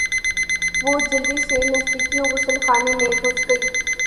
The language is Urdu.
وہ جلدی سے نزدیکی غسل خانے میں گھس گئی۔